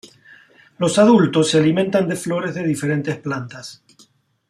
Los adultos se alimentan de flores de diferentes plantas.